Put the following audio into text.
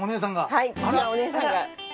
はい今度はお姉さんが。